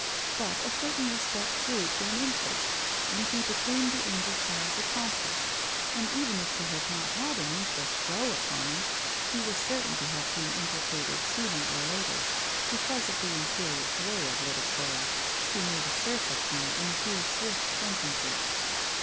But a certain respect grew to an interest, and he became the angel child's accomplice. And even if he had not had an interest grow upon him, he was certain to have been implicated sooner or later, because of the imperious way of little Cora, who made a serf of him in a few swift sentences.